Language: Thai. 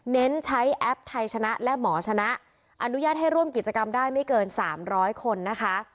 เน้นใช้แอปไทยชนะและหมอชนะอนุญาตให้ร่วมกิจกรรมได้ไม่เกิน๓๐๐คนนะคะ